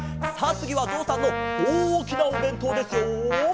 つぎはぞうさんのおおきなおべんとうですよ。